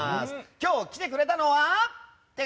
今日来てくれたのは。